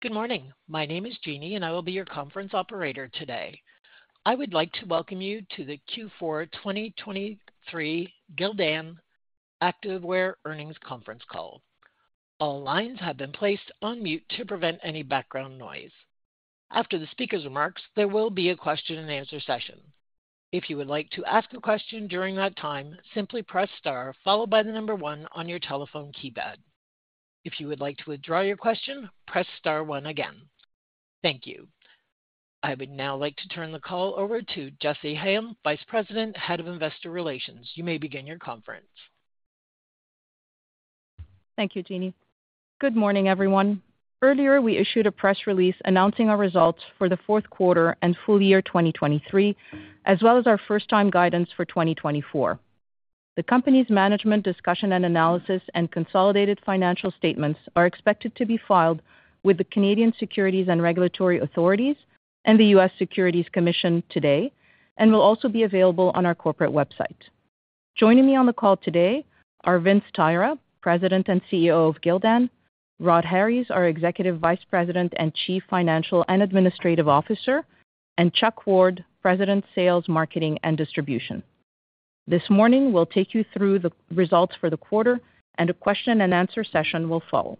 Good morning. My name is Jeannie, and I will be your conference operator today. I would like to welcome you to the Q4 2023 Gildan Activewear Earnings Conference Call. All lines have been placed on mute to prevent any background noise. After the speaker's remarks, there will be a question and answer session. If you would like to ask a question during that time, simply press Star, followed by the number one on your telephone keypad. If you would like to withdraw your question, press Star one again. Thank you. I would now like to turn the call over to Jessy Hayem, Vice President, Head of Investor Relations. You may begin your conference. Thank you, Jeannie. Good morning, everyone. Earlier, we issued a press release announcing our results for the fourth quarter and full year 2023, as well as our first-time guidance for 2024. The company's management discussion and analysis and consolidated financial statements are expected to be filed with the Canadian Securities and Regulatory Authorities and the U.S. Securities and Exchange Commission today and will also be available on our corporate website. Joining me on the call today are Vince Tyra, President and CEO of Gildan; Rhodri Harries, our Executive Vice President and Chief Financial and Administrative Officer; and Chuck Ward, President, Sales, Marketing, and Distribution. This morning, we'll take you through the results for the quarter, and a question and answer session will follow.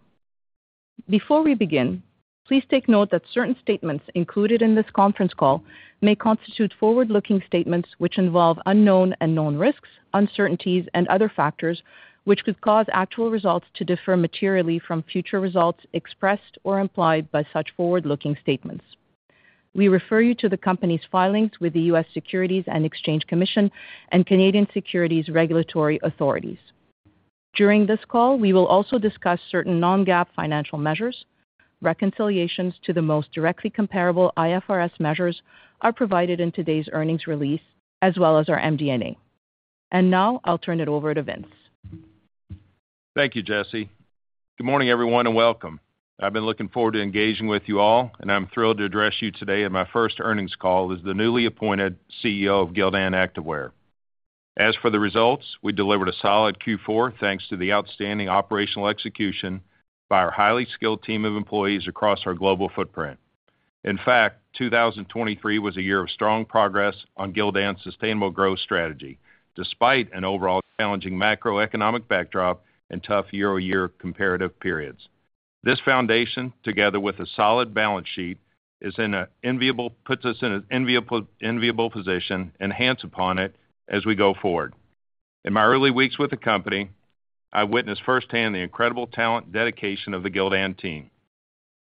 Before we begin, please take note that certain statements included in this conference call may constitute forward-looking statements, which involve unknown and known risks, uncertainties, and other factors, which could cause actual results to differ materially from future results expressed or implied by such forward-looking statements. We refer you to the company's filings with the U.S. Securities and Exchange Commission and Canadian Securities Regulatory Authorities. During this call, we will also discuss certain non-GAAP financial measures. Reconciliations to the most directly comparable IFRS measures are provided in today's earnings release, as well as our MD&A. Now I'll turn it over to Vince. Thank you, Jessy. Good morning, everyone, and welcome. I've been looking forward to engaging with you all, and I'm thrilled to address you today in my first earnings call as the newly appointed CEO of Gildan Activewear. As for the results, we delivered a solid Q4, thanks to the outstanding operational execution by our highly skilled team of employees across our global footprint. In fact, 2023 was a year of strong progress on Gildan's sustainable growth strategy, despite an overall challenging macroeconomic backdrop and tough year-over-year comparative periods. This foundation, together with a solid balance sheet, puts us in an enviable position and enhance upon it as we go forward. In my early weeks with the company, I witnessed firsthand the incredible talent and dedication of the Gildan team.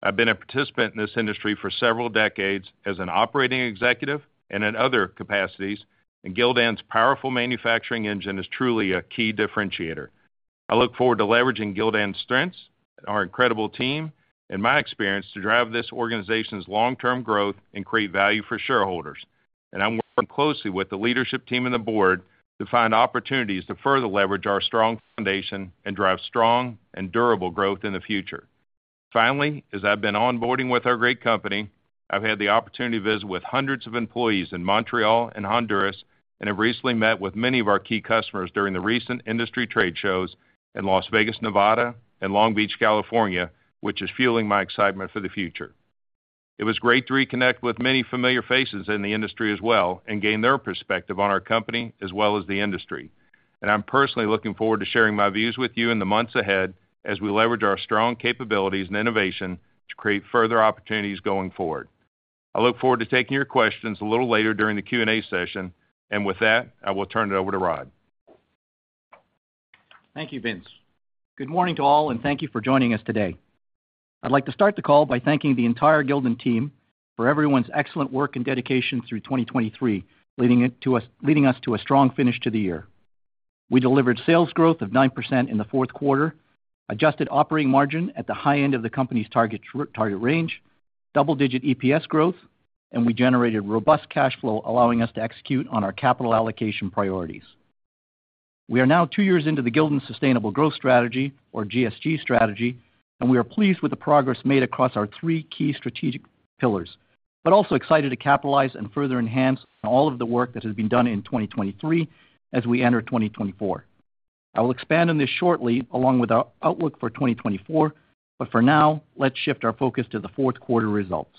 I've been a participant in this industry for several decades as an operating executive and in other capacities, and Gildan's powerful manufacturing engine is truly a key differentiator. I look forward to leveraging Gildan's strengths, our incredible team, and my experience to drive this organization's long-term growth and create value for shareholders. I'm working closely with the leadership team and the board to find opportunities to further leverage our strong foundation and drive strong and durable growth in the future. Finally, as I've been onboarding with our great company, I've had the opportunity to visit with hundreds of employees in Montreal and Honduras, and have recently met with many of our key customers during the recent industry trade shows in Las Vegas, Nevada, and Long Beach, California, which is fueling my excitement for the future. It was great to reconnect with many familiar faces in the industry as well and gain their perspective on our company as well as the industry. I'm personally looking forward to sharing my views with you in the months ahead as we leverage our strong capabilities and innovation to create further opportunities going forward. I look forward to taking your questions a little later during the Q&A session, and with that, I will turn it over to Rod. Thank you, Vince. Good morning to all, and thank you for joining us today. I'd like to start the call by thanking the entire Gildan team for everyone's excellent work and dedication through 2023, leading us to a strong finish to the year. We delivered sales growth of 9% in the fourth quarter, adjusted operating margin at the high end of the company's target range, double-digit EPS growth, and we generated robust cash flow, allowing us to execute on our capital allocation priorities. We are now 2 years into the Gildan Sustainable Growth strategy, or GSG strategy, and we are pleased with the progress made across our three key strategic pillars, but also excited to capitalize and further enhance all of the work that has been done in 2023 as we enter 2024. I will expand on this shortly, along with our outlook for 2024, but for now, let's shift our focus to the fourth quarter results.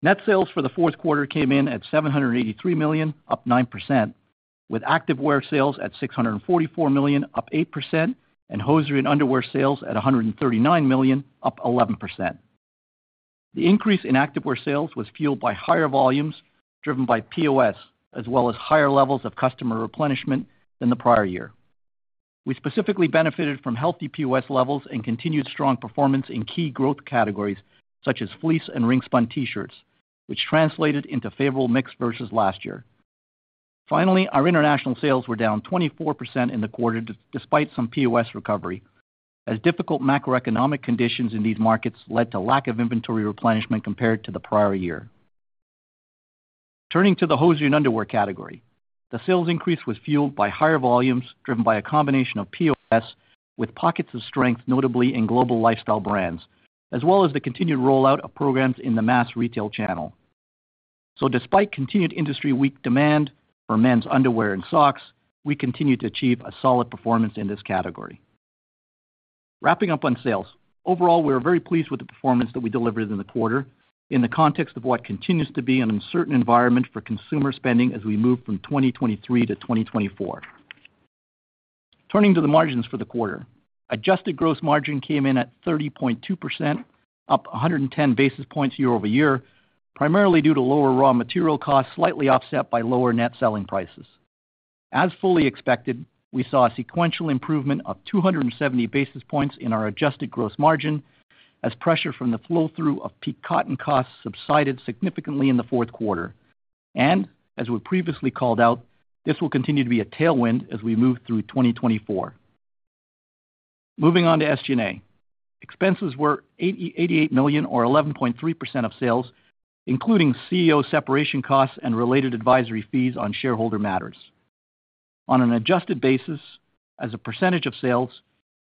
Net sales for the fourth quarter came in at $783 million, up 9%, with activewear sales at $644 million, up 8%, and hosiery and underwear sales at $139 million, up 11%. The increase in activewear sales was fueled by higher volumes, driven by POS, as well as higher levels of customer replenishment than the prior year. We specifically benefited from healthy POS levels and continued strong performance in key growth categories such as fleece and ring-spun T-shirts, which translated into favorable mix versus last year. Finally, our international sales were down 24% in the quarter, despite some POS recovery, as difficult macroeconomic conditions in these markets led to lack of inventory replenishment compared to the prior year. Turning to the hosiery and underwear category, the sales increase was fueled by higher volumes, driven by a combination of POS, with pockets of strength, notably in global lifestyle brands, as well as the continued rollout of programs in the mass retail channel. So despite continued industry weak demand for men's underwear and socks, we continue to achieve a solid performance in this category. Wrapping up on sales. Overall, we are very pleased with the performance that we delivered in the quarter, in the context of what continues to be an uncertain environment for consumer spending as we move from 2023 to 2024. Turning to the margins for the quarter. Adjusted gross margin came in at 30.2%, up 110 basis points year-over-year, primarily due to lower raw material costs, slightly offset by lower net selling prices. As fully expected, we saw a sequential improvement of 270 basis points in our adjusted gross margin, as pressure from the flow-through of peak cotton costs subsided significantly in the fourth quarter. As we previously called out, this will continue to be a tailwind as we move through 2024. Moving on to SG&A expenses were $88 million, or 11.3% of sales, including CEO separation costs and related advisory fees on shareholder matters. On an adjusted basis, as a percentage of sales,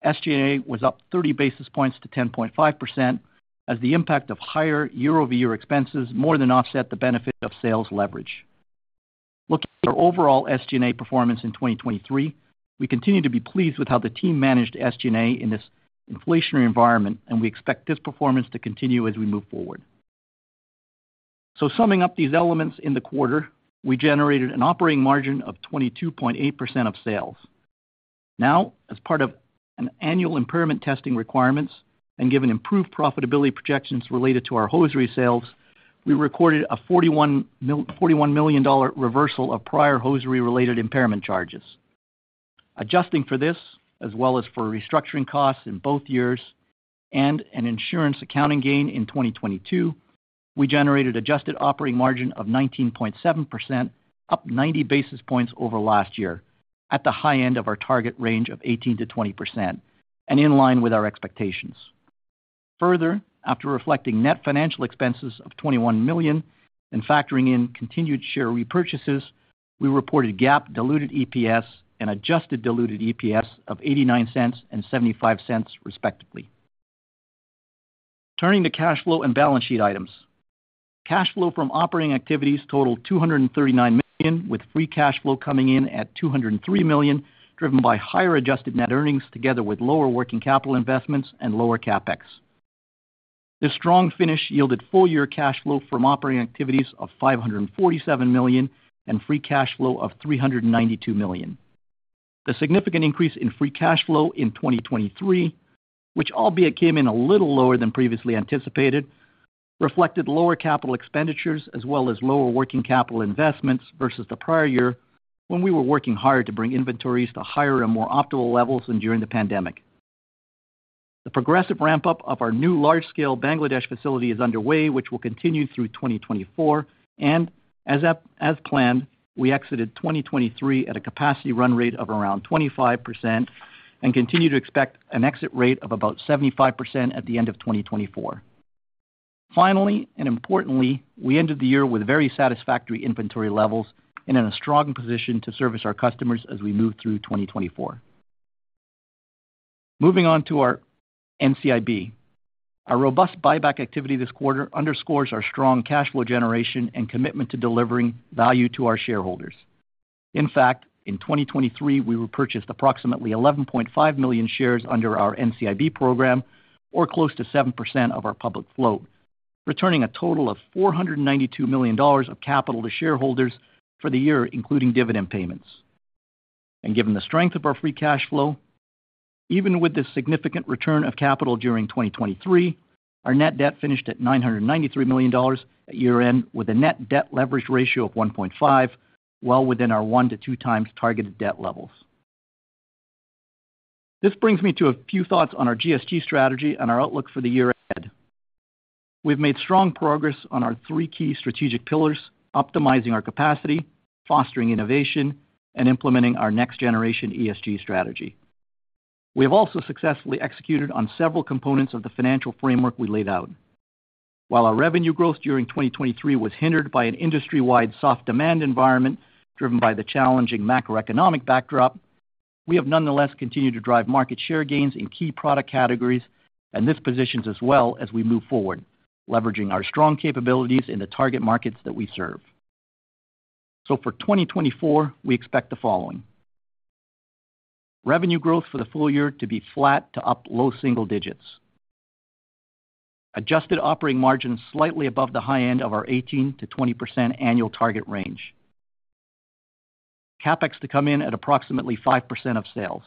SG&A was up 30 basis points to 10.5%, as the impact of higher year-over-year expenses more than offset the benefit of sales leverage. Looking at our overall SG&A performance in 2023, we continue to be pleased with how the team managed SG&A in this inflationary environment, and we expect this performance to continue as we move forward. Summing up these elements in the quarter, we generated an operating margin of 22.8% of sales. Now, as part of an annual impairment testing requirements and given improved profitability projections related to our hosiery sales, we recorded a $41 million-dollar reversal of prior hosiery-related impairment charges. Adjusting for this, as well as for restructuring costs in both years and an insurance accounting gain in 2022, we generated adjusted operating margin of 19.7%, up 90 basis points over last year, at the high end of our target range of 18%-20% and in line with our expectations. Further, after reflecting net financial expenses of $21 million and factoring in continued share repurchases, we reported GAAP diluted EPS and adjusted diluted EPS of $0.89 and $0.75, respectively. Turning to cash flow and balance sheet items. Cash flow from operating activities totaled $239 million, with free cash flow coming in at $203 million, driven by higher adjusted net earnings, together with lower working capital investments and lower CapEx. This strong finish yielded full-year cash flow from operating activities of $547 million and free cash flow of $392 million. The significant increase in free cash flow in 2023, which albeit came in a little lower than previously anticipated, reflected lower capital expenditures as well as lower working capital investments versus the prior year, when we were working harder to bring inventories to higher and more optimal levels than during the pandemic. The progressive ramp-up of our new large-scale Bangladesh facility is underway, which will continue through 2024, and as planned, we exited 2023 at a capacity run rate of around 25% and continue to expect an exit rate of about 75% at the end of 2024. Finally, and importantly, we ended the year with very satisfactory inventory levels and in a strong position to service our customers as we move through 2024. Moving on to our NCIB. Our robust buyback activity this quarter underscores our strong cash flow generation and commitment to delivering value to our shareholders. In fact, in 2023, we repurchased approximately 11.5 million shares under our NCIB program, or close to 7% of our public float, returning a total of $492 million of capital to shareholders for the year, including dividend payments. Given the strength of our free cash flow, even with the significant return of capital during 2023, our net debt finished at $993 million at year-end, with a net debt leverage ratio of 1.5, well within our 1-2 times targeted debt levels. This brings me to a few thoughts on our GSG strategy and our outlook for the year ahead. We've made strong progress on our three key strategic pillars: optimizing our capacity, fostering innovation, and implementing our next generation ESG strategy. We have also successfully executed on several components of the financial framework we laid out. While our revenue growth during 2023 was hindered by an industry-wide soft demand environment, driven by the challenging macroeconomic backdrop, we have nonetheless continued to drive market share gains in key product categories, and this positions us well as we move forward, leveraging our strong capabilities in the target markets that we serve. So for 2024, we expect the following: revenue growth for the full year to be flat to up low single digits. Adjusted operating margins slightly above the high end of our 18%-20% annual target range. CapEx to come in at approximately 5% of sales.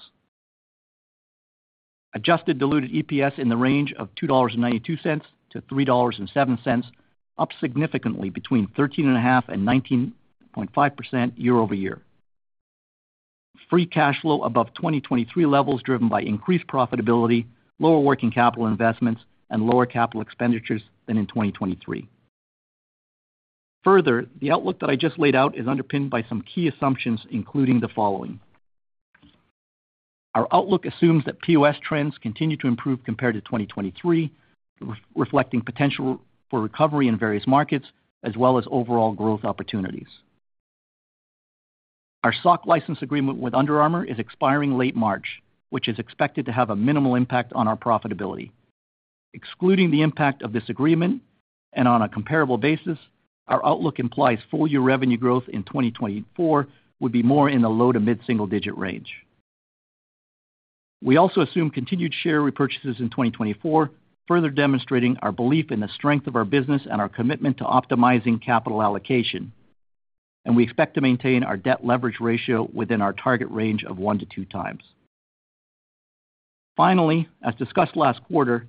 Adjusted diluted EPS in the range of $2.92-$3.07, up significantly between 13.5% and 19.5% year-over-year. Free cash flow above 2023 levels, driven by increased profitability, lower working capital investments, and lower capital expenditures than in 2023. Further, the outlook that I just laid out is underpinned by some key assumptions, including the following: Our outlook assumes that POS trends continue to improve compared to 2023, reflecting potential for recovery in various markets, as well as overall growth opportunities. Our sock license agreement with Under Armour is expiring late March, which is expected to have a minimal impact on our profitability. Excluding the impact of this agreement and on a comparable basis, our outlook implies full-year revenue growth in 2024 will be more in the low- to mid-single-digit range. We also assume continued share repurchases in 2024, further demonstrating our belief in the strength of our business and our commitment to optimizing capital allocation. We expect to maintain our debt leverage ratio within our target range of 1-2 times. Finally, as discussed last quarter,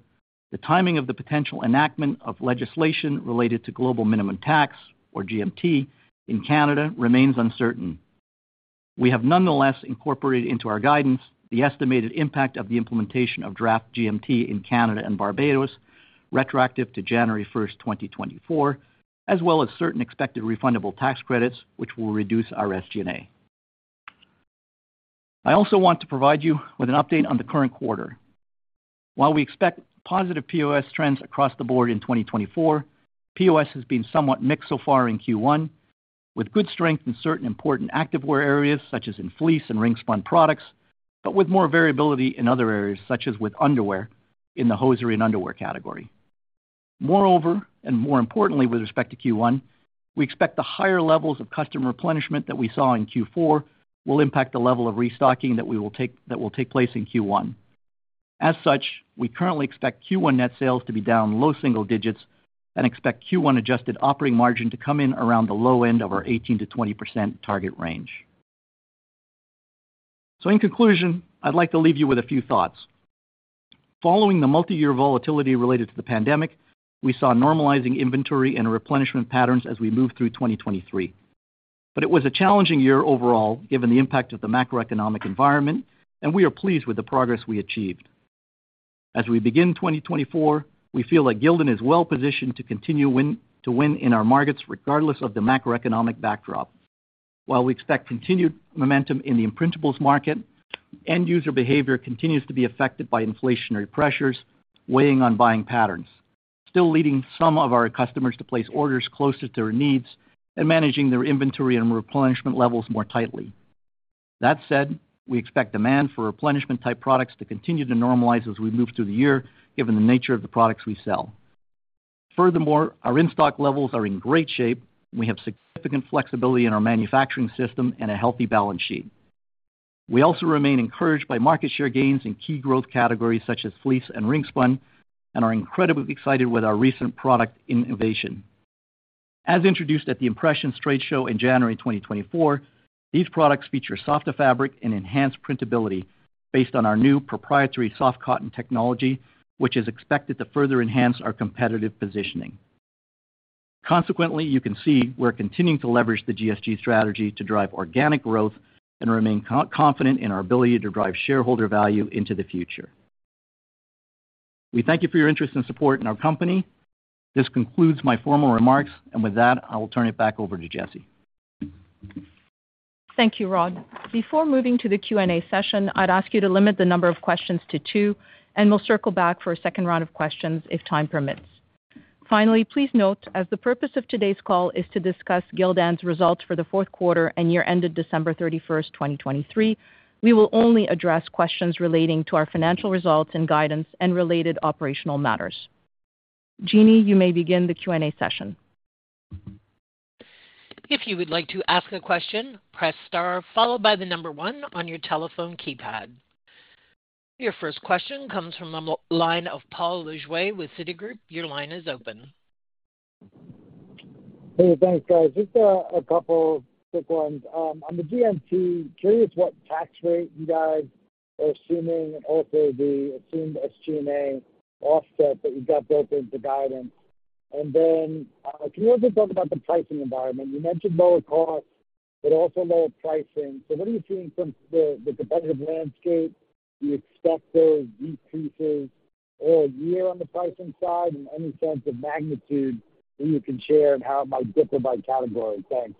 the timing of the potential enactment of legislation related to global minimum tax, or GMT, in Canada remains uncertain. We have nonetheless incorporated into our guidance the estimated impact of the implementation of draft GMT in Canada and Barbados, retroactive to January 1, 2024, as well as certain expected refundable tax credits, which will reduce our SG&A. I also want to provide you with an update on the current quarter. While we expect positive POS trends across the board in 2024, POS has been somewhat mixed so far in Q1, with good strength in certain important activewear areas, such as in fleece and ring spun products, but with more variability in other areas, such as with underwear in the hosiery and underwear category. Moreover, and more importantly, with respect to Q1, we expect the higher levels of customer replenishment that we saw in Q4 will impact the level of restocking that will take place in Q1. As such, we currently expect Q1 net sales to be down low single digits and expect Q1 adjusted operating margin to come in around the low end of our 18%-20% target range. So in conclusion, I'd like to leave you with a few thoughts. Following the multi-year volatility related to the pandemic, we saw normalizing inventory and replenishment patterns as we moved through 2023. But it was a challenging year overall, given the impact of the macroeconomic environment, and we are pleased with the progress we achieved. As we begin 2024, we feel that Gildan is well positioned to continue to win in our markets, regardless of the macroeconomic backdrop. While we expect continued momentum in the imprintables market, end user behavior continues to be affected by inflationary pressures, weighing on buying patterns, still leading some of our customers to place orders closer to their needs and managing their inventory and replenishment levels more tightly. That said, we expect demand for replenishment type products to continue to normalize as we move through the year, given the nature of the products we sell. Furthermore, our in-stock levels are in great shape, and we have significant flexibility in our manufacturing system and a healthy balance sheet. We also remain encouraged by market share gains in key growth categories such as fleece and ring spun, and are incredibly excited with our recent product innovation. As introduced at the Impressions Expo in January 2024, these products feature softer fabric and enhanced printability based on our new proprietary Soft Cotton Technology, which is expected to further enhance our competitive positioning. Consequently, you can see we're continuing to leverage the GSG strategy to drive organic growth and remain confident in our ability to drive shareholder value into the future. We thank you for your interest and support in our company. This concludes my formal remarks, and with that, I will turn it back over to Jessy. Thank you, Rod. Before moving to the Q&A session, I'd ask you to limit the number of questions to two, and we'll circle back for a second round of questions if time permits. Finally, please note, as the purpose of today's call is to discuss Gildan's results for the fourth quarter and year ended December 31, 2023, we will only address questions relating to our financial results and guidance and related operational matters. Jeannie, you may begin the Q&A session. If you would like to ask a question, press star, followed by the number 1 on your telephone keypad. Your first question comes from the line of Paul Lejuez with Citigroup. Your line is open. Hey, thanks, guys. Just a couple quick ones. On the GMT, curious what tax rate you guys are assuming and also the assumed SG&A offset that you've got built into guidance. And then, can you also talk about the pricing environment? You mentioned lower costs, but also lower pricing. So what are you seeing from the competitive landscape? Do you expect those decreases all year on the pricing side, and any sense of magnitude that you can share and how it might differ by category? Thanks.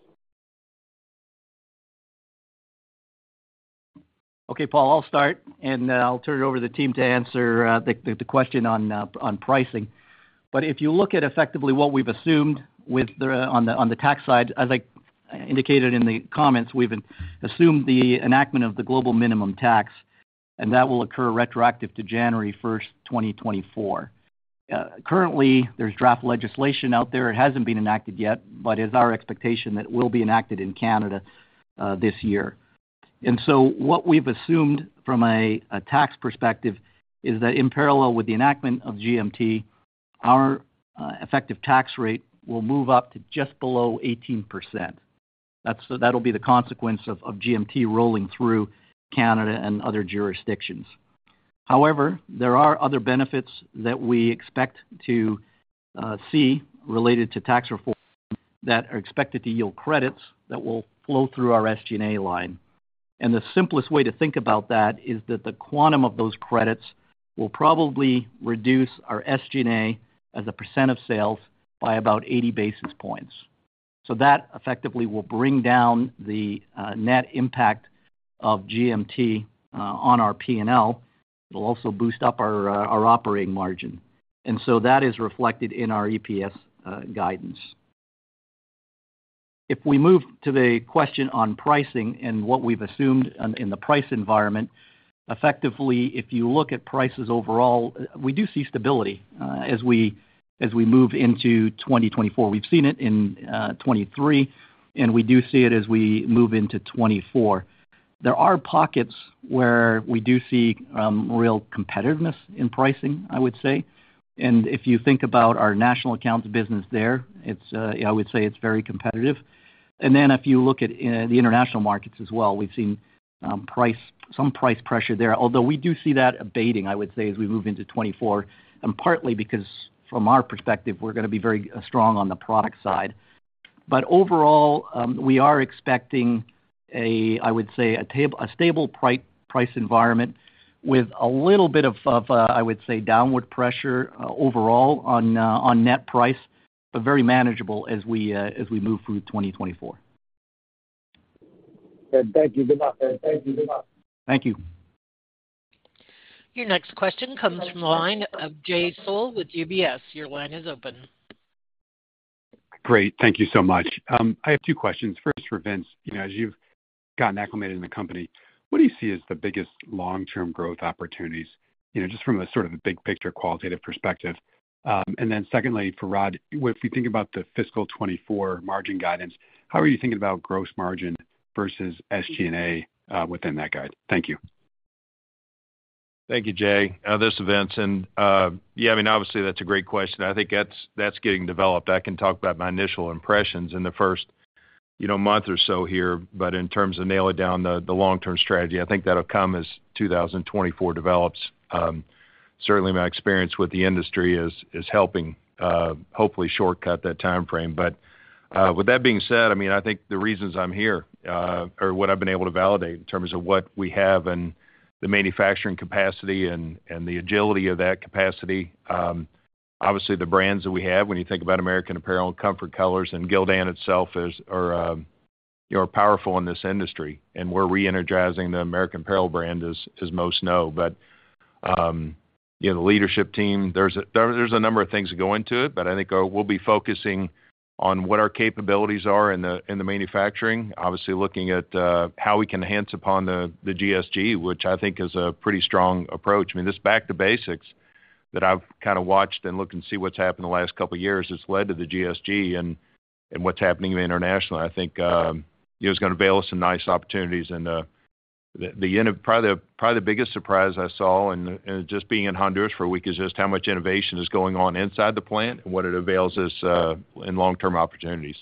Okay, Paul, I'll start, and I'll turn it over to the team to answer the question on pricing. But if you look at effectively what we've assumed on the tax side, as I indicated in the comments, we've assumed the enactment of the global minimum tax, and that will occur retroactive to January 1, 2024. Currently, there's draft legislation out there. It hasn't been enacted yet, but it's our expectation that it will be enacted in Canada this year. And so what we've assumed from a tax perspective is that in parallel with the enactment of GMT, our effective tax rate will move up to just below 18%. That's so that'll be the consequence of GMT rolling through Canada and other jurisdictions. However, there are other benefits that we expect to see related to tax reform that are expected to yield credits that will flow through our SG&A line. And the simplest way to think about that is that the quantum of those credits will probably reduce our SG&A as a % of sales by about 80 basis points. So that effectively will bring down the net impact of GMT on our PNL. It'll also boost up our operating margin. And so that is reflected in our EPS guidance. If we move to the question on pricing and what we've assumed in the price environment, effectively, if you look at prices overall, we do see stability as we move into 2024. We've seen it in 2023, and we do see it as we move into 2024. There are pockets where we do see real competitiveness in pricing, I would say. And if you think about our national accounts business there, it's, I would say it's very competitive. And then if you look at the international markets as well, we've seen some price pressure there, although we do see that abating, I would say, as we move into 2024, and partly because from our perspective, we're gonna be very strong on the product side. But overall, we are expecting a, I would say, a stable price environment with a little bit of, of, I would say, downward pressure overall on on net price, but very manageable as we as we move through 2024. Thank you. Good luck. Thank you. Good luck. Thank you. Your next question comes from the line of Jay Sole with UBS. Your line is open. Great. Thank you so much. I have two questions. First, for Vince, you know, as you've gotten acclimated in the company, what do you see as the biggest long-term growth opportunities? You know, just from a sort of a big picture, qualitative perspective. And then secondly, for Rod, if you think about the fiscal 2024 margin guidance, how are you thinking about gross margin versus SG&A within that guide? Thank you. Thank you, Jay. This is Vince. And, yeah, I mean, obviously, that's a great question. I think that's, that's getting developed. I can talk about my initial impressions in the first, you know, month or so here, but in terms of nailing down the, the long-term strategy, I think that'll come as 2024 develops. Certainly, my experience with the industry is, is helping, hopefully shortcut that time frame. But with that being said, I mean, I think the reasons I'm here or what I've been able to validate in terms of what we have and the manufacturing capacity and the agility of that capacity, obviously, the brands that we have, when you think about American Apparel and Comfort Colors, and Gildan itself are, you know, are powerful in this industry, and we're reenergizing the American Apparel brand, as most know. But you know, the leadership team, there's a number of things that go into it, but I think we'll be focusing on what our capabilities are in the manufacturing. Obviously, looking at how we can enhance upon the GSG, which I think is a pretty strong approach. I mean, this back to basics that I've kind of watched and looked and see what's happened in the last couple of years has led to the GSG and, and what's happening internationally. I think, it was gonna avail us some nice opportunities. And, the, probably the biggest surprise I saw in, just being in Honduras for a week, is just how much innovation is going on inside the plant and what it avails us, in long-term opportunities.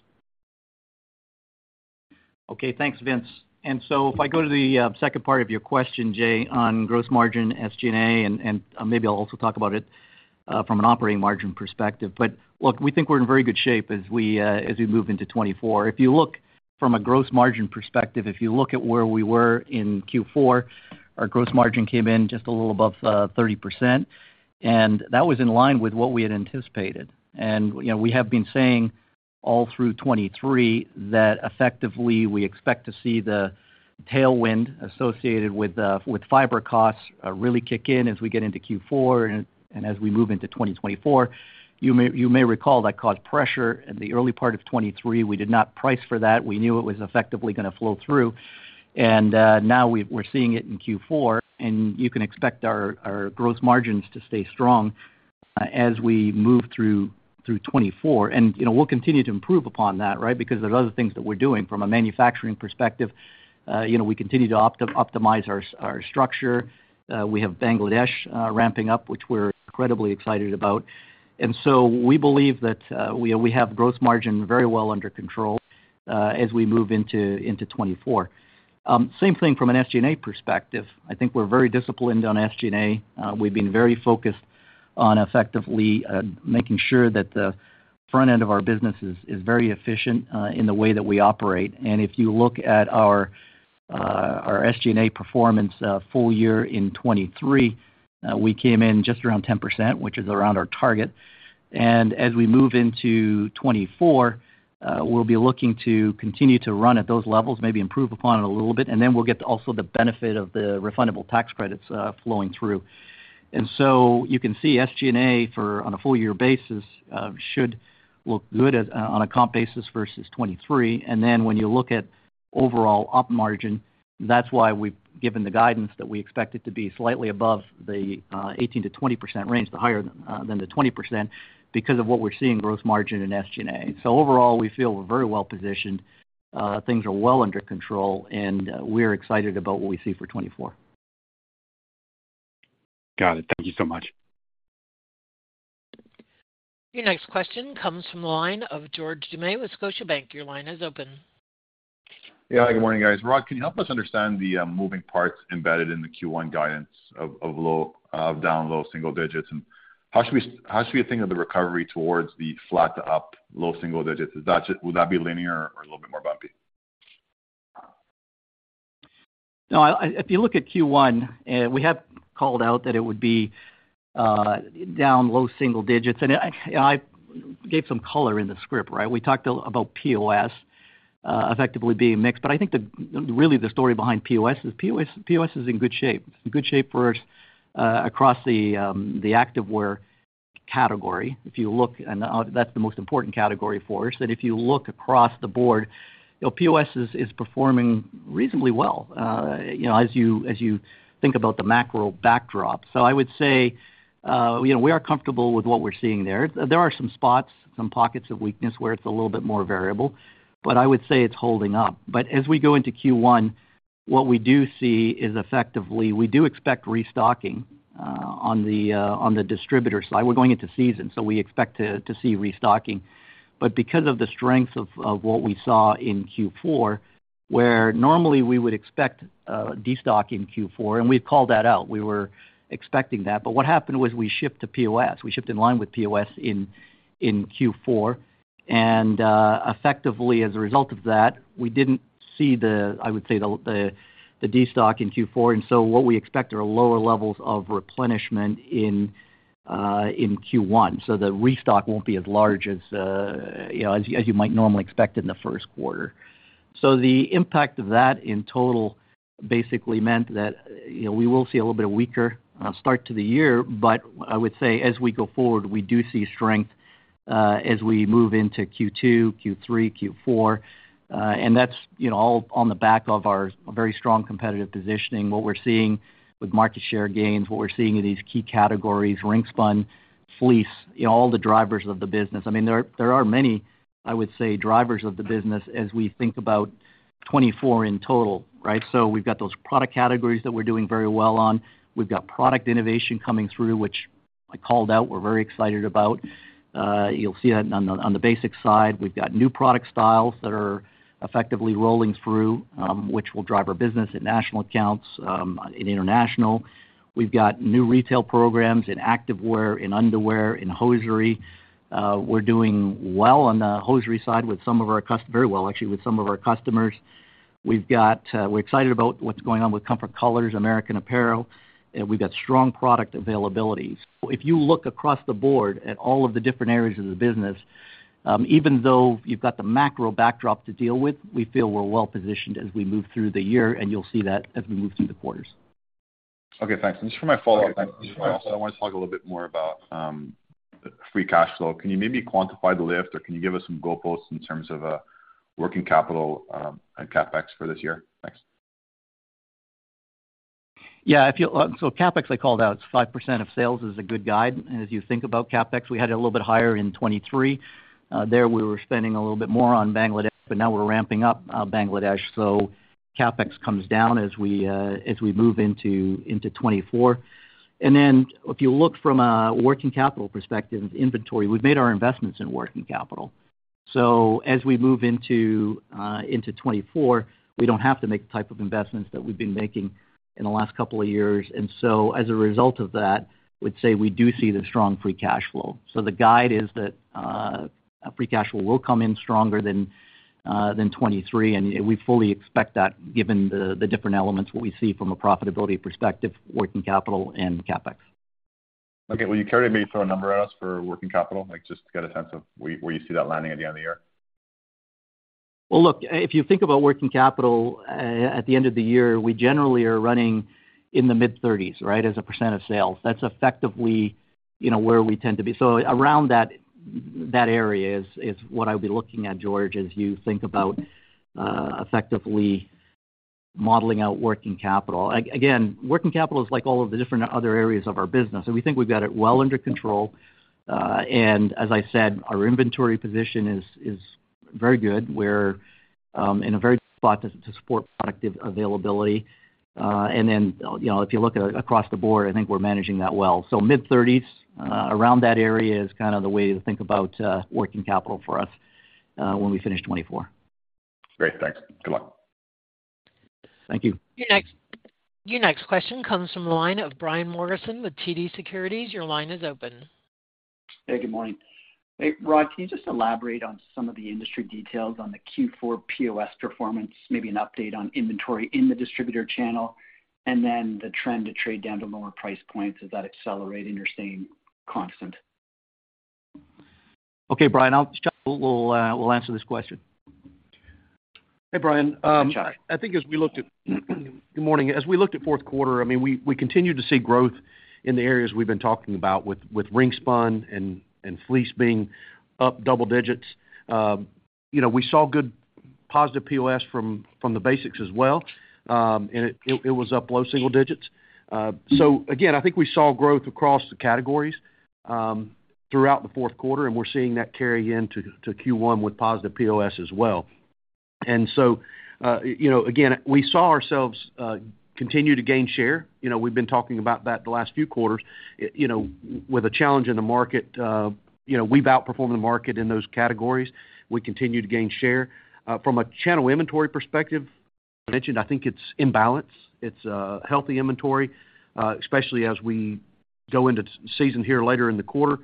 Okay. Thanks, Vince. And so if I go to the second part of your question, Jay, on gross margin SG&A, and maybe I'll also talk about it from an operating margin perspective. But look, we think we're in very good shape as we move into 2024. If you look from a gross margin perspective, if you look at where we were in Q4, our gross margin came in just a little above 30%, and that was in line with what we had anticipated. And, you know, we have been saying all through 2023 that effectively we expect to see the tailwind associated with fiber costs really kick in as we get into Q4 and as we move into 2024. You may recall that caused pressure in the early part of 2023. We did not price for that. We knew it was effectively gonna flow through. And now we're seeing it in Q4, and you can expect our gross margins to stay strong as we move through 2024. And, you know, we'll continue to improve upon that, right? Because there are other things that we're doing from a manufacturing perspective. You know, we continue to optimize our structure. We have Bangladesh ramping up, which we're incredibly excited about. And so we believe that we have gross margin very well under control as we move into 2024. Same thing from an SG&A perspective. I think we're very disciplined on SG&A. We've been very focused on effectively making sure that the front end of our business is very efficient in the way that we operate. And if you look at our SG&A performance full year in 2023, we came in just around 10%, which is around our target. And as we move into 2024, we'll be looking to continue to run at those levels, maybe improve upon it a little bit, and then we'll get also the benefit of the refundable tax credits flowing through. And so you can see SG&A for on a full year basis should look good at on a comp basis versus 2023. Then when you look at overall op margin, that's why we've given the guidance that we expect it to be slightly above the 18%-20% range, higher than the 20%, because of what we're seeing growth margin in SG&A. Overall, we feel we're very well positioned, things are well under control, and we're excited about what we see for 2024. Got it. Thank you so much. Your next question comes from the line of George Doumet with Scotiabank. Your line is open. Yeah. Good morning, guys. Rod, can you help us understand the moving parts embedded in the Q1 guidance of down low single digits? And how should we think of the recovery towards the flat to up low single digits? Is that just... Will that be linear or a little bit more bumpy? No, if you look at Q1, we have called out that it would be down low single digits. And I gave some color in the script, right? We talked about POS, effectively being mixed. But I think really the story behind POS is, POS, POS is in good shape, in good shape for us, across the activewear category. If you look, that's the most important category for us, that if you look across the board, you know, POS is performing reasonably well, you know, as you think about the macro backdrop. So I would say, you know, we are comfortable with what we're seeing there. There are some spots, some pockets of weakness where it's a little bit more variable, but I would say it's holding up. But as we go into Q1, what we do see is effectively, we do expect restocking on the distributor side. We're going into season, so we expect to see restocking. But because of the strength of what we saw in Q4, where normally we would expect destock in Q4, and we've called that out. We were expecting that. But what happened was we shipped to POS. We shipped in line with POS in Q4, and effectively, as a result of that, we didn't see the, I would say, the destock in Q4, and so what we expect are lower levels of replenishment in Q1. So the restock won't be as large as you know, as you might normally expect in the first quarter. So the impact of that in total basically meant that, you know, we will see a little bit of weaker start to the year, but I would say as we go forward, we do see strength as we move into Q2, Q3, Q4. And that's, you know, all on the back of our very strong competitive positioning. What we're seeing with market share gains, what we're seeing in these key categories, ring-spun, fleece, you know, all the drivers of the business. I mean, there, there are many, I would say, drivers of the business as we think about 2024 in total, right? So we've got those product categories that we're doing very well on. We've got product innovation coming through, which I called out, we're very excited about. You'll see that on the, on the basic side. We've got new product styles that are effectively rolling through, which will drive our business in national accounts, in international. We've got new retail programs in activewear, in underwear, in hosiery. We're doing well on the hosiery side with some of our very well, actually, with some of our customers. We've got, we're excited about what's going on with Comfort Colors, American Apparel, and we've got strong product availability. If you look across the board at all of the different areas of the business, even though you've got the macro backdrop to deal with, we feel we're well positioned as we move through the year, and you'll see that as we move through the quarters. Okay, thanks. And just for my follow-up, I also wanna talk a little bit more about free cash flow. Can you maybe quantify the lift, or can you give us some goalposts in terms of working capital and CapEx for this year? Thanks. Yeah, if you so, CapEx, I called out, it's 5% of sales is a good guide. And as you think about CapEx, we had it a little bit higher in 2023. There, we were spending a little bit more on Bangladesh, but now we're ramping up Bangladesh, so CapEx comes down as we move into 2024. And then if you look from a working capital perspective, inventory, we've made our investments in working capital. So as we move into 2024, we don't have to make the type of investments that we've been making in the last couple of years. And so as a result of that, I would say we do see the strong free cash flow. The guide is that Free Cash Flow will come in stronger than 2023, and we fully expect that given the different elements, what we see from a profitability perspective, working capital and CapEx. Okay. Will you carry me through a number for us for working capital? Like, just to get a sense of where you see that landing at the end of the year. Well, look, if you think about working capital at the end of the year, we generally are running in the mid-30s, right, as a % of sales. That's effectively, you know, where we tend to be. So around that, that area is what I'd be looking at, George, as you think about effectively modeling out working capital. Again, working capital is like all of the different other areas of our business, and we think we've got it well under control. And as I said, our inventory position is very good. We're in a very good spot to support product availability. And then, you know, if you look at across the board, I think we're managing that well. So mid-30s around that area is kinda the way to think about working capital for us when we finish 2024. Great. Thanks. Good luck. Thank you. Your next, your next question comes from the line of Brian Morrison with TD Securities. Your line is open. Hey, good morning. Hey, Rod, can you just elaborate on some of the industry details on the Q4 POS performance, maybe an update on inventory in the distributor channel, and then the trend to trade down to lower price points, is that accelerating or staying constant? Okay, Brian, I'll... Chuck will answer this question. Hey, Brian. Hey, Chuck. Good morning. As we looked at fourth quarter, I mean, we continued to see growth in the areas we've been talking about with ring-spun and fleece being up double digits. You know, we saw good positive POS from the basics as well, and it was up low single digits. So again, I think we saw growth across the categories throughout the fourth quarter, and we're seeing that carry into Q1 with positive POS as well. And so, you know, again, we saw ourselves continue to gain share. You know, we've been talking about that the last few quarters. You know, with a challenge in the market, you know, we've outperformed the market in those categories. We continue to gain share. From a channel inventory perspective, I mentioned, I think it's in balance. It's a healthy inventory, especially as we go into season here later in the quarter.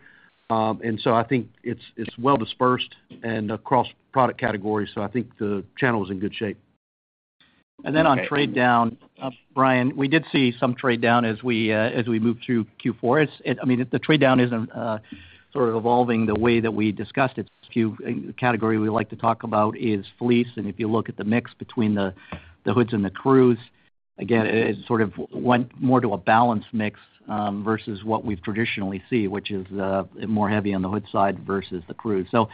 And so I think it's, it's well dispersed and across product categories, so I think the channel is in good shape. And then on trade down, Brian, we did see some trade down as we moved through Q4. It, I mean, the trade down isn't sort of evolving the way that we discussed it. SKU category we like to talk about is fleece. And if you look at the mix between the hoods and the crews, again, it sort of went more to a balanced mix versus what we've traditionally see, which is more heavy on the hood side versus the crews. So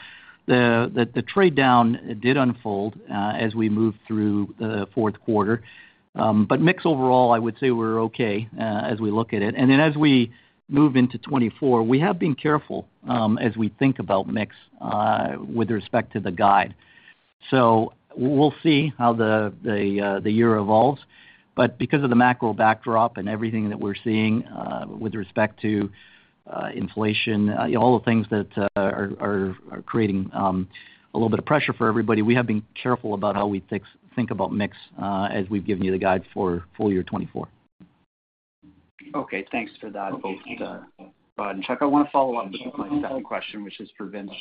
the trade down did unfold as we moved through the fourth quarter. But mix overall, I would say we're okay as we look at it. And then as we move into 2024, we have been careful as we think about mix with respect to the guide. So we'll see how the year evolves. But because of the macro backdrop and everything that we're seeing, with respect to inflation, all the things that are creating a little bit of pressure for everybody, we have been careful about how we think about mix, as we've given you the guide for full year 2024. Okay, thanks for that, both, Brian and Chuck. I wanna follow up with my second question, which is for Vince.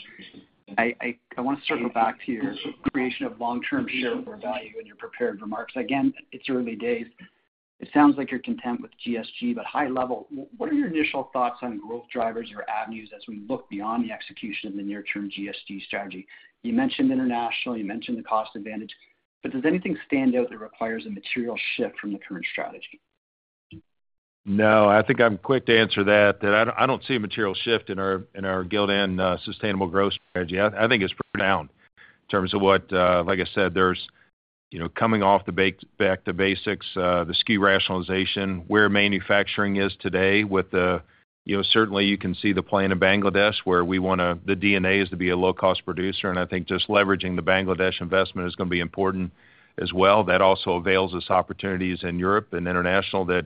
I wanna circle back to your creation of long-term shareholder value in your prepared remarks. Again, it's early days. It sounds like you're content with GSG, but high level, what are your initial thoughts on growth drivers or avenues as we look beyond the execution of the near-term GSG strategy? You mentioned international, you mentioned the cost advantage, but does anything stand out that requires a material shift from the current strategy? No, I think I'm quick to answer that, that I don't, I don't see a material shift in our, in our Gildan Sustainable Growth strategy. I, I think it's profound in terms of what. Like I said, there's, you know, coming off the back to basics, the SKU rationalization, where manufacturing is today with the, you know, certainly you can see the play in Bangladesh, where we wanna the DNA is to be a low-cost producer, and I think just leveraging the Bangladesh investment is gonna be important as well. That also avails us opportunities in Europe and international that,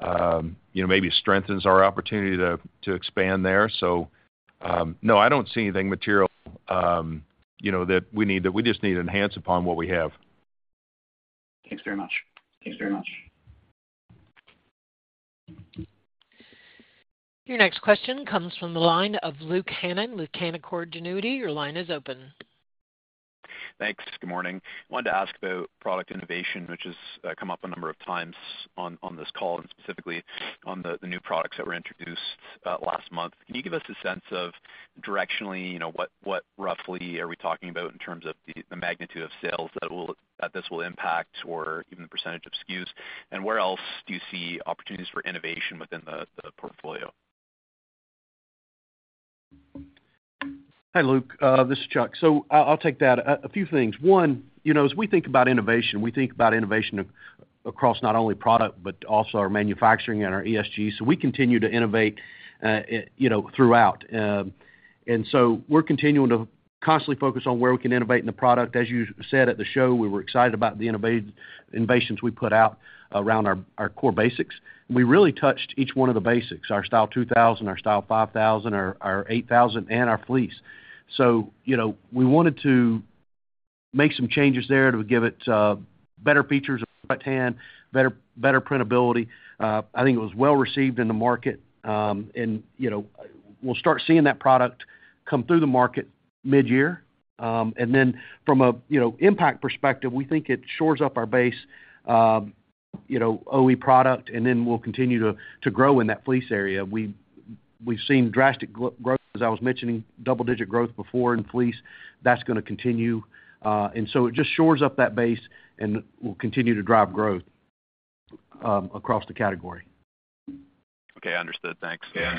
you know, maybe strengthens our opportunity to, to expand there. So, no, I don't see anything material, you know, that we need. That we just need to enhance upon what we have. Thanks very much. Thanks very much. Your next question comes from the line of Luke Hannan, Luke Hannan, Canaccord Genuity. Your line is open. Thanks. Good morning. I wanted to ask about product innovation, which has come up a number of times on this call, and specifically on the new products that were introduced last month. Can you give us a sense of directionally, you know, what roughly are we talking about in terms of the magnitude of sales that this will impact, or even the percentage of SKUs? And where else do you see opportunities for innovation within the portfolio? Hi, Luke, this is Chuck. So I'll take that. A few things. One, you know, as we think about innovation, we think about innovation across not only product, but also our manufacturing and our ESG. So we continue to innovate, you know, throughout. And so we're continuing to constantly focus on where we can innovate in the product. As you said at the show, we were excited about the innovations we put out around our core basics. And we really touched each one of the basics, our style 2000, our style 5000, our 8000, and our fleece. So, you know, we wanted to make some changes there to give it better features of right hand, better printability. I think it was well received in the market. And, you know, we'll start seeing that product come through the market mid-year. And then from a, you know, impact perspective, we think it shores up our base, you know, OE product, and then we'll continue to grow in that fleece area. We've seen drastic growth, as I was mentioning, double-digit growth before in fleece. That's gonna continue. And so it just shores up that base and will continue to drive growth across the category. Okay, understood. Thanks. Yeah.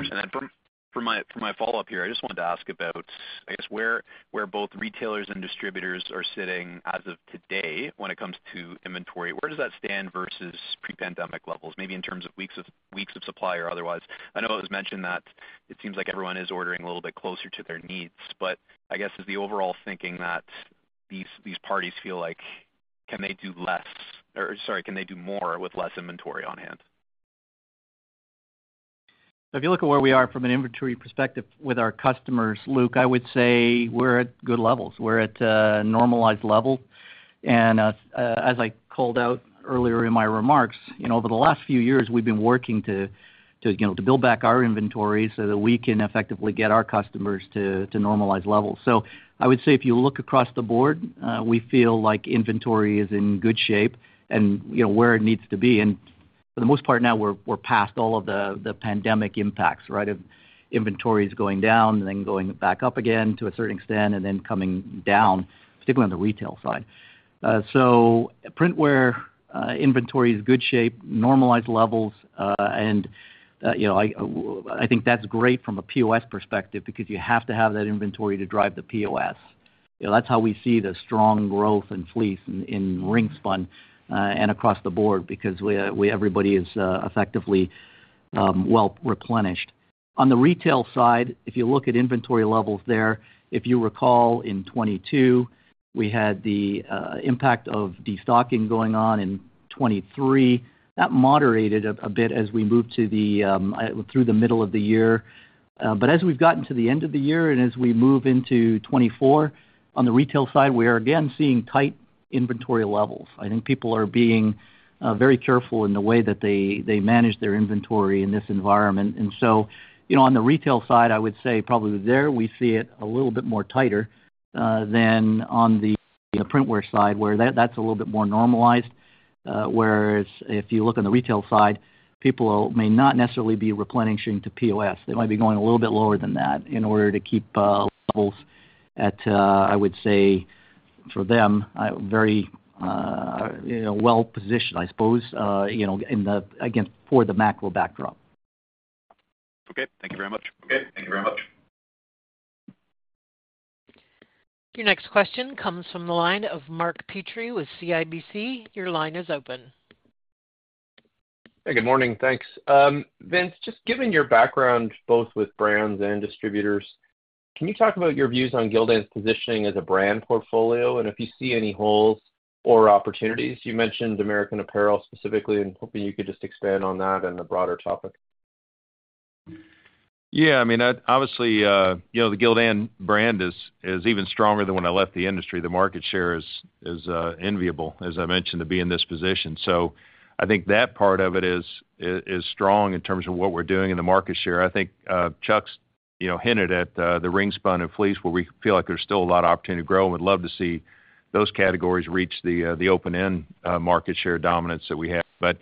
For my follow-up here, I just wanted to ask about, I guess, where both retailers and distributors are sitting as of today when it comes to inventory. Where does that stand versus pre-pandemic levels, maybe in terms of weeks of supply or otherwise? I know it was mentioned that it seems like everyone is ordering a little bit closer to their needs, but I guess, is the overall thinking that these parties feel like, can they do less? Or sorry, can they do more with less inventory on hand? If you look at where we are from an inventory perspective with our customers, Luke, I would say we're at good levels. We're at a normalized level. And as I called out earlier in my remarks, you know, over the last few years, we've been working to build back our inventory so that we can effectively get our customers to normalize levels. So I would say if you look across the board, we feel like inventory is in good shape and, you know, where it needs to be. And for the most part now, we're past all of the pandemic impacts, right? Of inventories going down and then going back up again to a certain extent, and then coming down, particularly on the retail side. So printwear inventory is in good shape, normalized levels, and, you know, I think that's great from a POS perspective because you have to have that inventory to drive the POS. You know, that's how we see the strong growth in fleece, in ring spun, and across the board because we everybody is effectively well replenished. On the retail side, if you look at inventory levels there, if you recall, in 2022, we had the impact of destocking going on. In 2023, that moderated a bit as we moved through the middle of the year. But as we've gotten to the end of the year, and as we move into 2024, on the retail side, we are again seeing tight inventory levels. I think people are being very careful in the way that they manage their inventory in this environment. And so, you know, on the retail side, I would say probably there, we see it a little bit more tighter than on the printwear side, where that's a little bit more normalized. Whereas if you look on the retail side, people may not necessarily be replenishing to POS. They might be going a little bit lower than that in order to keep levels at, I would say, for them, very, you know, well positioned, I suppose, you know, in the again for the macro backdrop. Okay, thank you very much. Okay, thank you very much. Your next question comes from the line of Mark Petrie with CIBC. Your line is open. Hey, good morning. Thanks. Vince, just given your background, both with brands and distributors, can you talk about your views on Gildan's positioning as a brand portfolio, and if you see any holes or opportunities? You mentioned American Apparel specifically, and hoping you could just expand on that and the broader topic. Yeah, I mean, obviously, you know, the Gildan brand is, is even stronger than when I left the industry. The market share is, is, enviable, as I mentioned, to be in this position. So I think that part of it is, is, is strong in terms of what we're doing in the market share. I think, Chuck's, you know, hinted at, the ring-spun and fleece, where we feel like there's still a lot of opportunity to grow, and we'd love to see those categories reach the, the open-end, market share dominance that we have. But,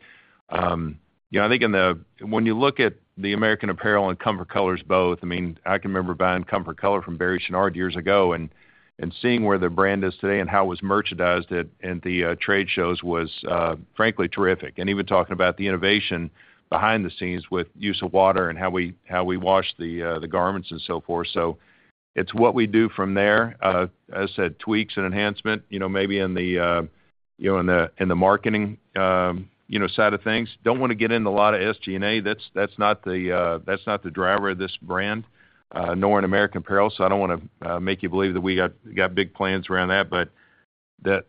you know, I think in the—when you look at the American Apparel and Comfort Colors both, I mean, I can remember buying Comfort Colors from Barry Chouinard years ago, and seeing where the brand is today and how it was merchandised at the trade shows was frankly terrific. And even talking about the innovation behind the scenes with use of water and how we wash the garments and so forth. So it's what we do from there. As I said, tweaks and enhancement, you know, maybe in the, you know, in the marketing, you know, side of things. Don't wanna get into a lot of SG&A. That's not the driver of this brand, nor in American Apparel, so I don't wanna make you believe that we got big plans around that. But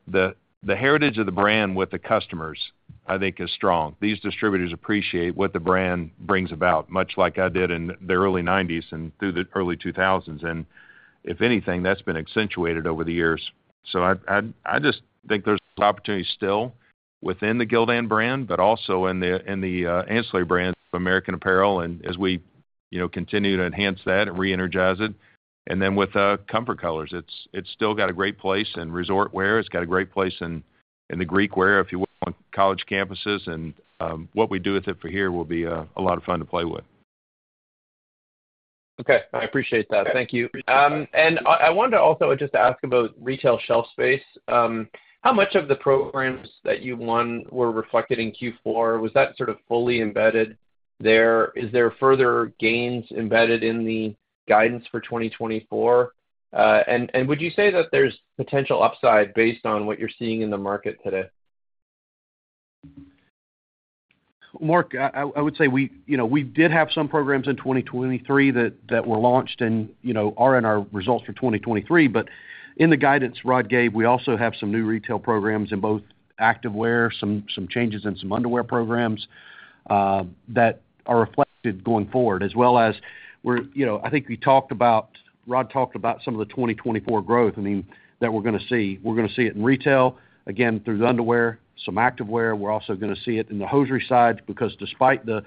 the heritage of the brand with the customers, I think, is strong. These distributors appreciate what the brand brings about, much like I did in the early 90s and through the early 2000s. And if anything, that's been accentuated over the years. So I just think there's opportunity still within the Gildan brand, but also in the ancillary brands of American Apparel. And as we, you know, continue to enhance that and reenergize it. And then with Comfort Colors, it's still got a great place in resort wear. It's got a great place in the Greek wear, if you will, on college campuses, and what we do with it for here will be a lot of fun to play with. Okay, I appreciate that. Thank you. And I wanted to also just ask about retail shelf space. How much of the programs that you won were reflected in Q4? Was that sort of fully embedded there? Is there further gains embedded in the guidance for 2024? And would you say that there's potential upside based on what you're seeing in the market today? Mark, I would say we, you know, we did have some programs in 2023 that were launched and, you know, are in our results for 2023. But in the guidance Rod gave, we also have some new retail programs in both activewear, some changes in some underwear programs that are reflected going forward, as well as we're... You know, I think we talked about—Rod talked about some of the 2024 growth, I mean, that we're gonna see. We're gonna see it in retail, again, through the underwear, some activewear. We're also gonna see it in the hosiery side, because despite the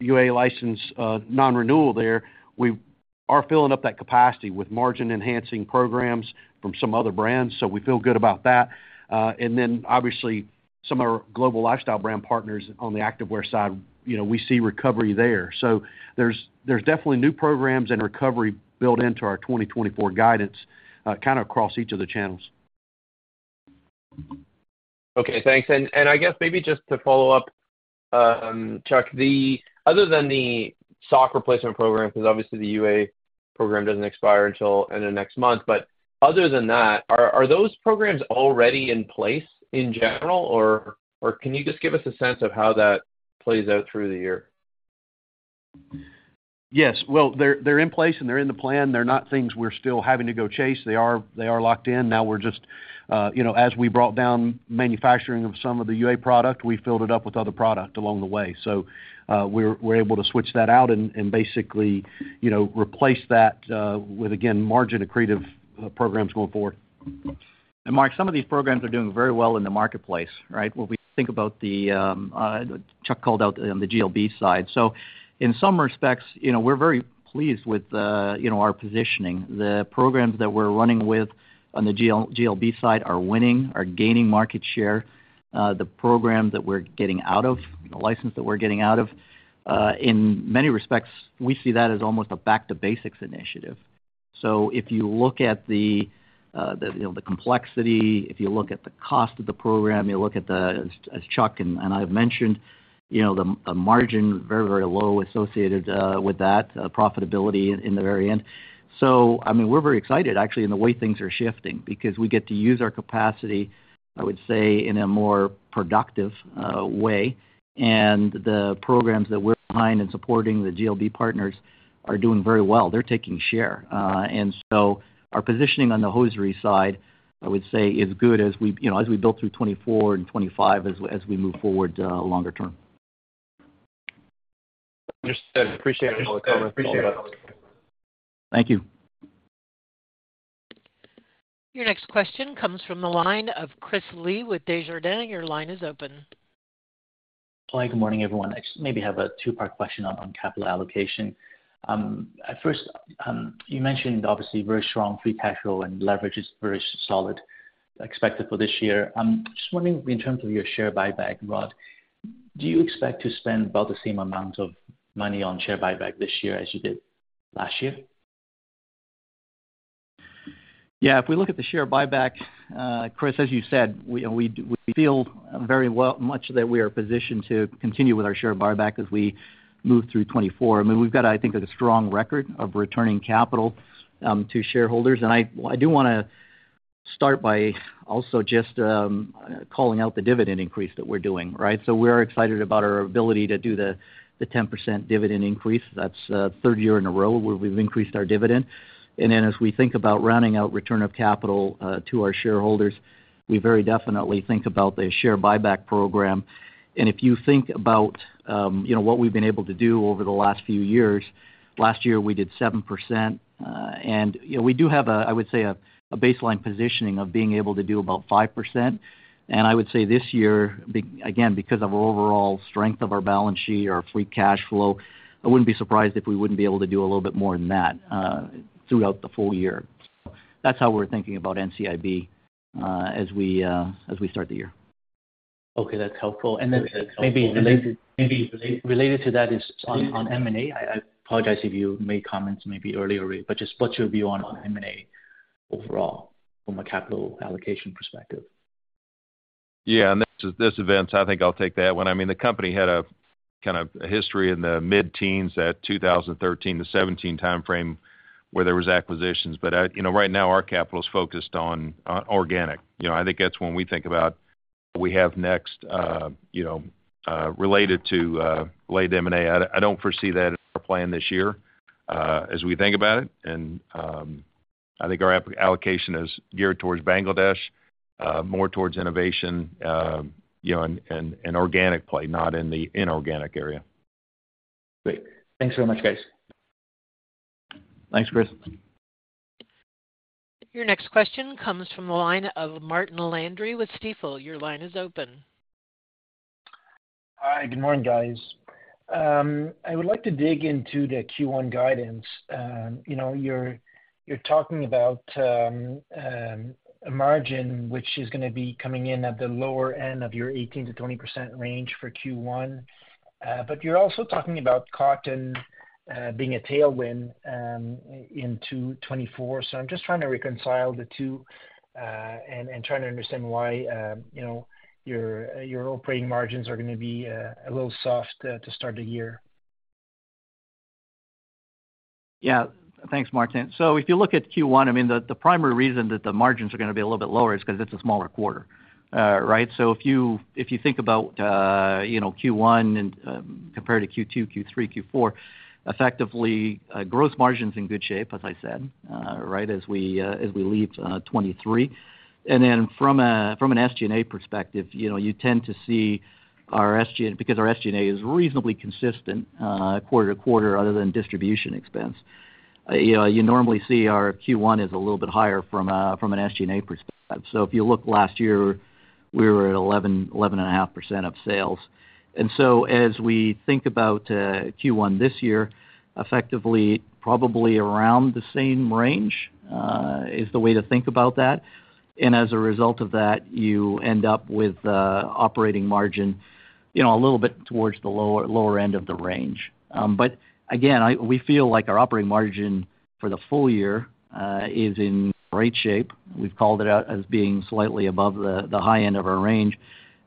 UA license non-renewal there, we are filling up that capacity with margin-enhancing programs from some other brands. So we feel good about that. And then obviously, some of our global lifestyle brand partners on the activewear side, you know, we see recovery there. So there's definitely new programs and recovery built into our 2024 guidance, kind of across each of the channels. Okay, thanks. And I guess maybe just to follow up, Chuck, the other than the sock replacement program, because obviously the UA program doesn't expire until end of next month. But other than that, are those programs already in place in general, or can you just give us a sense of how that plays out through the year? Yes. Well, they're, they're in place, and they're in the plan. They're not things we're still having to go chase. They are, they are locked in. Now, we're just, you know, as we brought down manufacturing of some of the UA product, we filled it up with other product along the way. So, we're, we're able to switch that out and, and basically, you know, replace that with, again, margin-accretive programs going forward. And Mark, some of these programs are doing very well in the marketplace, right? When we think about, Chuck called out on the GLB side. So in some respects, you know, we're very pleased with, you know, our positioning. The programs that we're running with on the GLB side are winning, are gaining market share. The program that we're getting out of, the license that we're getting out of, in many respects, we see that as almost a back to basics initiative. So if you look at the complexity, if you look at the cost of the program, you look at the, as Chuck and I have mentioned, you know, the margin, very, very low associated with that profitability in the very end. So I mean, we're very excited actually in the way things are shifting, because we get to use our capacity, I would say, in a more productive way. And the programs that we're behind in supporting the GLB partners are doing very well. They're taking share. And so our positioning on the hosiery side, I would say, is good as we, you know, as we build through 2024 and 2025, as we move forward longer term. Understood. Appreciate all the comments. Appreciate it. Thank you. Your next question comes from the line of Chris Li with Desjardins. Your line is open.... Hi, good morning, everyone. I just maybe have a two-part question on, on capital allocation. At first, you mentioned obviously very strong free cash flow and leverage is very solid, expected for this year. I'm just wondering, in terms of your share buyback, Rod, do you expect to spend about the same amount of money on share buyback this year as you did last year? Yeah, if we look at the share buyback, Chris, as you said, we feel very much that we are positioned to continue with our share buyback as we move through 2024. I mean, we've got, I think, a strong record of returning capital to shareholders. And I do wanna start by also just calling out the dividend increase that we're doing, right? So we're excited about our ability to do the 10% dividend increase. That's third year in a row where we've increased our dividend. And then as we think about rounding out return of capital to our shareholders, we very definitely think about the share buyback program. If you think about, you know, what we've been able to do over the last few years, last year, we did 7%, and, you know, we do have, I would say, a baseline positioning of being able to do about 5%. I would say this year, again, because of overall strength of our balance sheet, our free cash flow, I wouldn't be surprised if we wouldn't be able to do a little bit more than that, throughout the full year. That's how we're thinking about NCIB, as we start the year. Okay, that's helpful. And then maybe related to that is on M&A. I apologize if you made comments maybe earlier, but just what's your view on M&A overall from a capital allocation perspective? Yeah, and this is vince, I think I'll take that one. I mean, the company had a kind of a history in the mid-teens, that 2013-2017 timeframe, where there was acquisitions. But I... You know, right now our capital is focused on organic. You know, I think that's when we think about what we have next, you know, related to late M&A. I don't foresee that in our plan this year, as we think about it, and I think our capital allocation is geared towards Bangladesh, more towards innovation, you know, and organic play, not in the inorganic area. Great. Thanks so much, guys. Thanks, Chris. Your next question comes from the line of Martin Landry with Stifel. Your line is open. Hi, good morning, guys. I would like to dig into the Q1 guidance. You know, you're talking about a margin which is gonna be coming in at the lower end of your 18%-20% range for Q1. But you're also talking about cotton being a tailwind in 2024. So I'm just trying to reconcile the two and trying to understand why, you know, your operating margins are gonna be a little soft to start the year. Yeah. Thanks, Martin. So if you look at Q1, I mean, the primary reason that the margins are gonna be a little bit lower is because it's a smaller quarter, right? So if you think about, you know, Q1 and compared to Q2, Q3, Q4, effectively, gross margin's in good shape, as I said, right? As we leave 2023. And then from an SG&A perspective, you know, you tend to see our SG&A because our SG&A is reasonably consistent quarter to quarter, other than distribution expense. You know, you normally see our Q1 is a little bit higher from an SG&A perspective. So if you look last year, we were at 11, 11.5% of sales. So as we think about Q1 this year, effectively, probably around the same range is the way to think about that. And as a result of that, you end up with operating margin, you know, a little bit towards the lower, lower end of the range. But again, we feel like our operating margin for the full year is in great shape. We've called it out as being slightly above the high end of our range,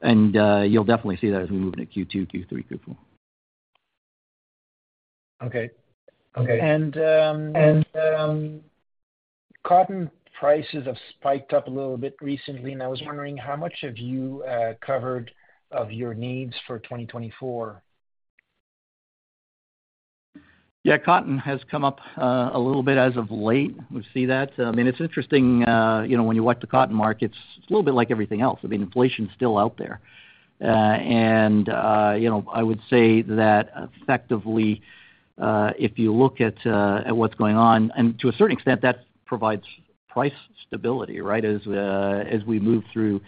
and you'll definitely see that as we move into Q2, Q3, Q4. Okay. Okay. And cotton prices have spiked up a little bit recently, and I was wondering how much have you covered of your needs for 2024? Yeah, cotton has come up a little bit as of late. We see that. I mean, it's interesting, you know, when you watch the cotton markets, it's a little bit like everything else. I mean, inflation is still out there. And, you know, I would say that effectively, if you look at what's going on, and to a certain extent, that provides price stability, right? As we move through,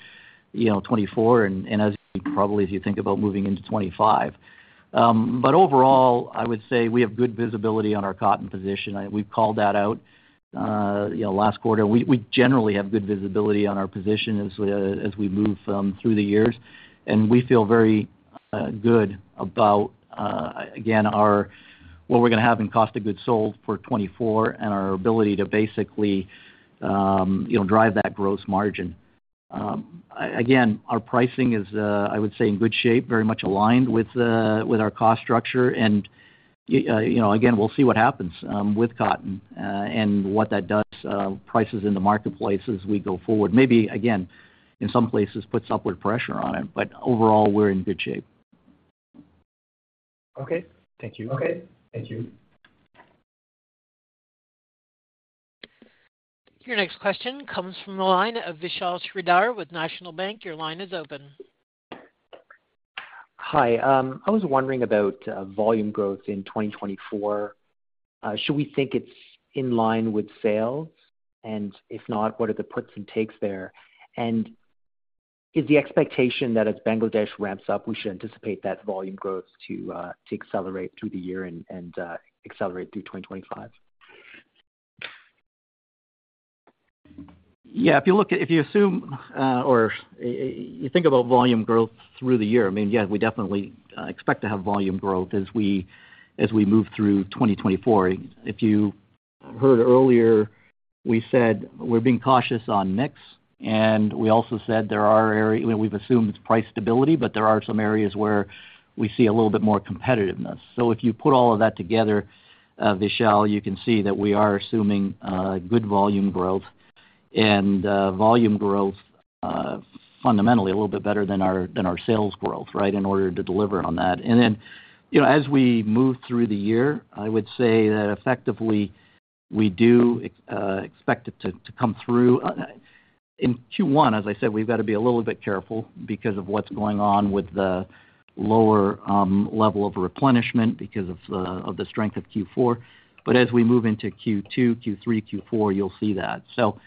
you know, 2024 and, as probably, as you think about moving into 2025. But overall, I would say we have good visibility on our cotton position. We've called that out, you know, last quarter. We generally have good visibility on our position as we move through the years. And we feel very good about, again, our... What we're gonna have in cost of goods sold for 2024 and our ability to basically, you know, drive that gross margin. Again, our pricing is, I would say, in good shape, very much aligned with with our cost structure. And, you know, again, we'll see what happens, with cotton, and what that does, prices in the marketplace as we go forward. Maybe, again, in some places, puts upward pressure on it, but overall, we're in good shape. Okay, thank you. Okay, thank you. Your next question comes from the line of Vishal Shreedhar with National Bank. Your line is open. Hi. I was wondering about volume growth in 2024. Should we think it's in line with sales? And if not, what are the puts and takes there? And is the expectation that as Bangladesh ramps up, we should anticipate that volume growth to accelerate through the year and accelerate through 2025? Yeah, if you look at—if you assume, or you think about volume growth through the year, I mean, yeah, we definitely expect to have volume growth as we move through 2024. If you heard earlier, we said we're being cautious on mix, and we also said there are areas—well, we've assumed it's price stability, but there are some areas where we see a little bit more competitiveness. So if you put all of that together, Vishal, you can see that we are assuming good volume growth and volume growth fundamentally a little bit better than our sales growth, right, in order to deliver on that. And then, you know, as we move through the year, I would say that effectively we do expect it to come through. In Q1, as I said, we've got to be a little bit careful because of what's going on with the lower level of replenishment because of the strength of Q4. But as we move into Q2, Q3, Q4, you'll see that. So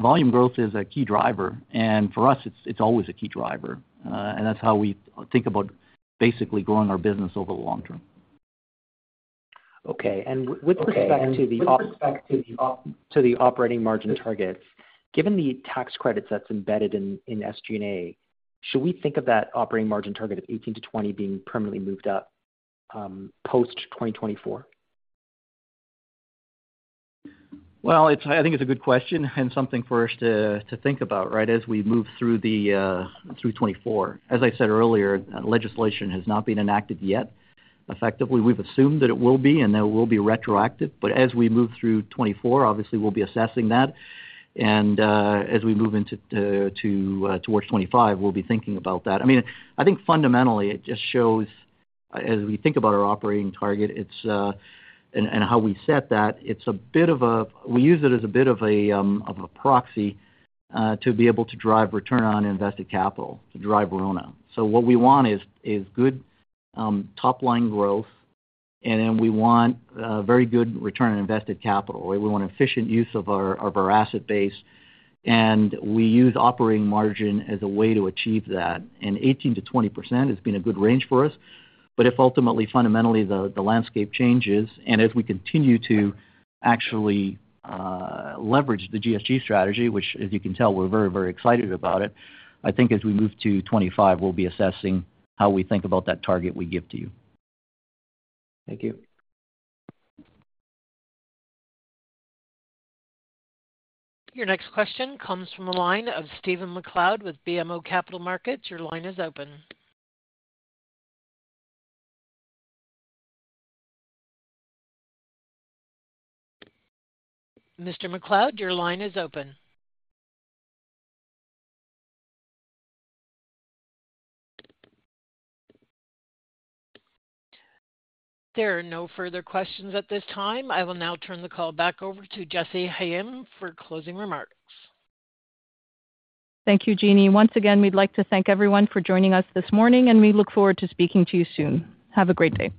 volume growth is a key driver, and for us, it's always a key driver. And that's how we think about basically growing our business over the long term. Okay. And with respect to the operating margin targets, given the tax credits that's embedded in SG&A, should we think of that operating margin target of 18%-20% being permanently moved up post-2024? Well, it's, I think it's a good question and something for us to, to think about, right, as we move through the, through 2024. As I said earlier, legislation has not been enacted yet. Effectively, we've assumed that it will be, and that it will be retroactive, but as we move through 2024, obviously, we'll be assessing that. And, as we move into, to, towards 2025, we'll be thinking about that. I mean, I think fundamentally it just shows, as we think about our operating target, it's, and, and how we set that, it's a bit of a... We use it as a bit of a, of a proxy, to be able to drive return on invested capital, to drive RONA. So what we want is good top-line growth, and then we want a very good return on invested capital, or we want efficient use of our, of our asset base, and we use operating margin as a way to achieve that. And 18%-20% has been a good range for us. But if ultimately, fundamentally, the landscape changes and as we continue to actually leverage the GSG strategy, which, as you can tell, we're very, very excited about it, I think as we move to 2025, we'll be assessing how we think about that target we give to you. Thank you. Your next question comes from the line of Stephen MacLeod with BMO Capital Markets. Your line is open. Mr. MacLeod, your line is open. There are no further questions at this time. I will now turn the call back over to Jessy Hayem for closing remarks. Thank you, Jeannie. Once again, we'd like to thank everyone for joining us this morning, and we look forward to speaking to you soon. Have a great day.